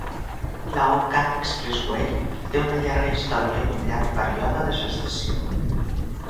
La Hohokam Expressway té una llarga història i un llarg període de gestació.